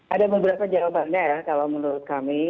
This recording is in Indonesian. ada beberapa jawabannya ya kalau menurut kami